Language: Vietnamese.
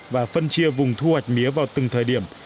và phân chia vùng thu hoạch mía vào từng thời điểm